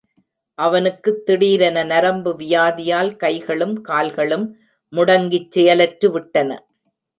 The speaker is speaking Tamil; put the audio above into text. அவனுக்குத் திடீரென நரம்பு வியாதியால் கைகளும் கால்களும் முடங்கிச் செயலற்று விட்டன.